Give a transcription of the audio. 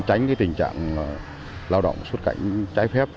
tránh tình trạng lao động xuất cảnh trái phép